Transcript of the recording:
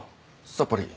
さっぱり。